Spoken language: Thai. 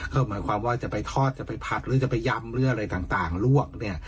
ก็หมายความว่าจะไปทอดจะไปผัดหรือจะไปยำหรืออะไรต่างลวกเนี่ย